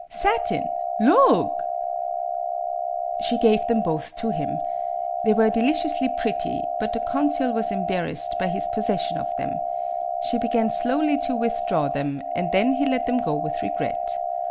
Aha, ha, ha ! Satin ! Loog!" MADAME BUTTERFLY 57 She gave them both to him. They were deliciously pretty; but the consul was em barrassed by his possession of them. She began slowly to withdraw them, and then he let them go with regret.